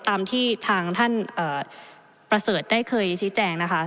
ตามที่ทางท่านประเสริฐได้เคยชี้แจงนะคะ